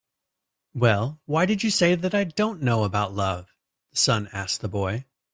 "Well, why did you say that I don't know about love?" the sun asked the boy.